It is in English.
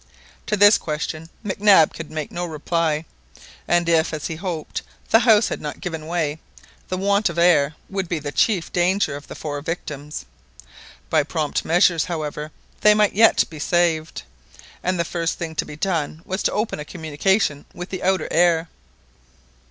To this question Mac Nab could make no reply, and if, as he hoped, the house had not given way, the want of air would be the chief danger of the four victims. By prompt measures, however, they might yet be saved, and the first thing to be done was to open a communication with the outer air.